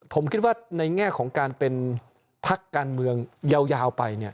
ผมคิดว่าในแง่ของการเป็นพักการเมืองยาวไป